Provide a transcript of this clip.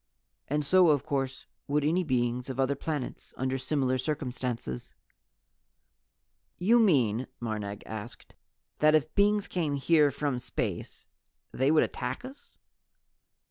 And so of course would any beings on other planets, under similar circumstances." "You mean," Marnag asked, "that if beings came here from space they would attack us?"